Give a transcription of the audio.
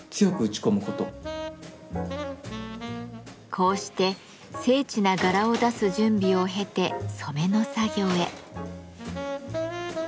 こうして精緻な柄を出す準備を経て染めの作業へ。